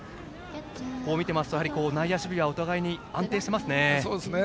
見ていますと、内野守備はお互いに安定していますね。